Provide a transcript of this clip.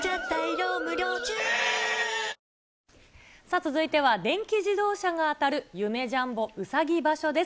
続いては電気自動車が当たる、夢・ジャンボうさぎ場所です。